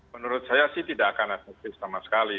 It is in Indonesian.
menurut saya sih tidak akan efektif sama sekali